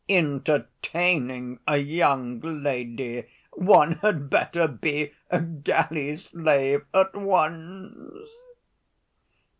Entertaining a young lady! one had better be a galley slave at once!"